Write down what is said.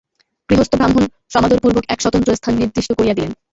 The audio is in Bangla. গৃহস্থ ব্রাহ্মণ সমাদরপূর্বক এক স্বতন্ত্র স্থান নির্দিষ্ট করিয়া দিলেন।